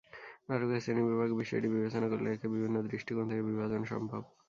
নাটকের শ্রেণিবিভাগের বিষয়টি বিবেচনা করলে একে বিভিন্ন দৃষ্টিকোণ থেকে বিভাজন সম্ভব।